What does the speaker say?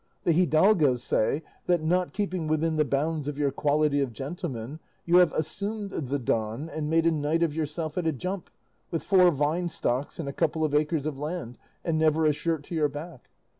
The hidalgos say that, not keeping within the bounds of your quality of gentleman, you have assumed the 'Don,' and made a knight of yourself at a jump, with four vine stocks and a couple of acres of land, and never a shirt to your back.